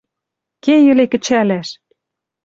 Ке йӹле кӹчӓлӓш!